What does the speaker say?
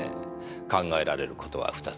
考えられることは２つ。